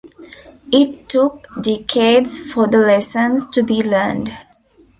It took decades for the lessons to be learned.